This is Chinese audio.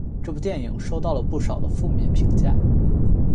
这部电影收到了不少的负面评价。